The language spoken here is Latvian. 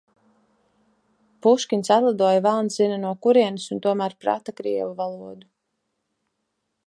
Puškins atlidoja velns zina no kurienes un tomēr prata krievu valodu.